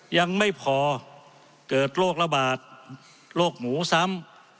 ยังไม่พอเกิดโรคระบาดโรคหมูซ้ำ